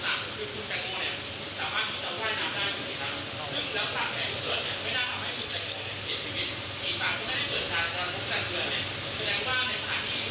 ซึ่งรับฝากแหล่งเบือดไม่น่าทำให้สุดใจโดยในชีวิต